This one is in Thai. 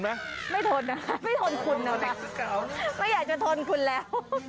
ไม่อยากจะทนคุณแล้ว